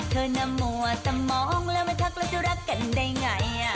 เธอน่ะมัวสมองแล้วไม่ทักแล้วจะรักกันได้ไง